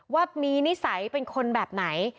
ว่ามีนิสัยเป็นคนแบบไหน